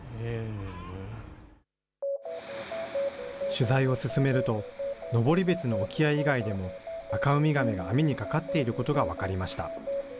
取材を進めると、登別の沖合以外でも、アカウミガメが網にかかっていることが分かりました。